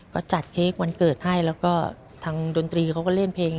ก็จัดเค้กวันเกิดให้แล้วก็ทางดนตรีเขาก็เล่นเพลง